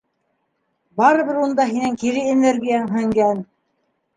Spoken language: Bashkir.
Барыбер унда һинең кире энергияң һеңгән!